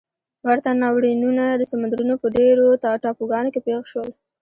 ورته ناورینونه د سمندرونو په ډېرو ټاپوګانو کې پېښ شول.